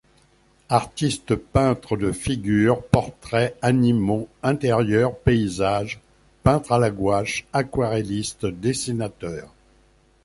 Artiste peintre de figures, portraits, animaux, intérieurs, paysages, peintre à la gouache, aquarelliste, dessinateur.